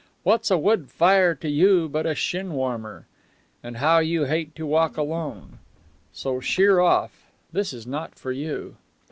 What's a wood fire to you but a shin warmer? And how you hate to walk alone! So sheer off this is not for you.